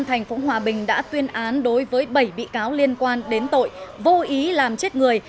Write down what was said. thành phố hòa bình đã tuyên án đối với bảy bị cáo liên quan đến tội vô ý làm chết người